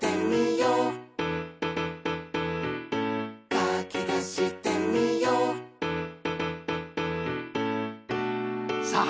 「かきたしてみよう」さあ！